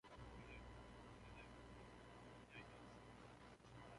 خدر، خدر، کوو نایناسی؟!